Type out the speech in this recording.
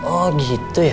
oh gitu ya